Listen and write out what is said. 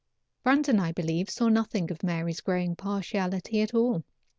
Brandon, I believe, saw nothing of Mary's growing partiality at all.